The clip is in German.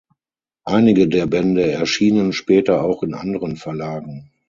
Einige der Bände erschienen später auch in anderen Verlagen.